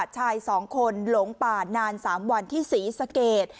ชาย๒คนหลงป่านาน๓วันที่ศรีสเกต